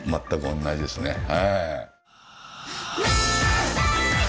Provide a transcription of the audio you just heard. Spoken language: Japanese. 全く同じですね。